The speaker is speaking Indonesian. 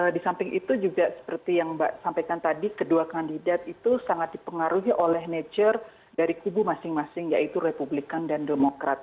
di samping itu juga seperti yang mbak sampaikan tadi kedua kandidat itu sangat dipengaruhi oleh nature dari kubu masing masing yaitu republikan dan demokrat